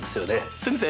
先生！